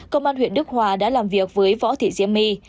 công an huyện đức hòa đã làm việc với võ thị diêm my